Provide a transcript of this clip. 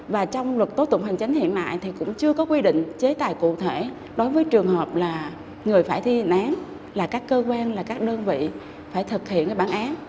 và trong luật tố tụng hành chánh hiện tại thì cũng chưa có quy định chế tài cụ thể đối với trường hợp là người phải thi hành án là các cơ quan là các đơn vị phải thực hiện bản án